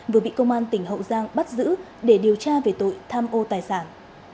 vừa bị công an tỉnh hậu giang bắt giữ để điều tra về tội tham ô tài sản